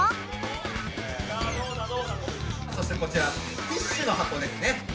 そしてこちらティッシュの箱ですね。